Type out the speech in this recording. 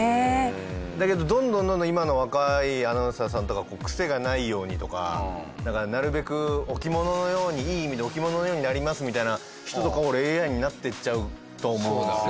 だけどどんどんどんどん今の若いアナウンサーさんとかクセがないようにとかなるべく置物のようにいい意味で置物のようになりますみたいな人とか俺ＡＩになっていっちゃうと思うんですよね。